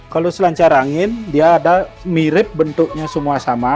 kalau selancar angin dia ada mirip bentuknya semua sama